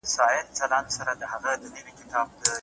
د ونو ښکلا همدغه د ځنګدن